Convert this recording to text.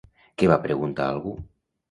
Què va preguntar algú?